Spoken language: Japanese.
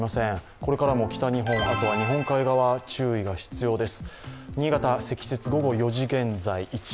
これからも北日本、あとは日本海側注意が必要です。